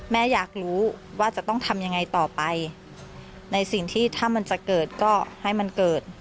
แม่อยากรู้ว่าจะต้องทำยังไงต่อไปในสิ่งที่ถ้ามันจะเกิดก็ให้มันเกิด